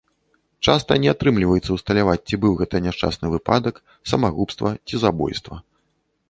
Часта не атрымліваецца ўсталяваць, ці быў гэта няшчасны выпадак, самагубства ці забойства.